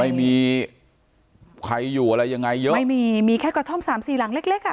ไม่มีใครอยู่อะไรยังไงเยอะไม่มีมีแค่กระท่อมสามสี่หลังเล็กเล็กอ่ะ